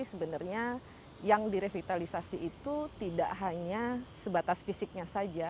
sebenarnya yang direvitalisasi itu tidak hanya sebatas fisiknya saja